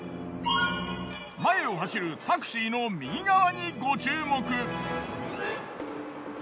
前を走るタクシーの右側にご注目。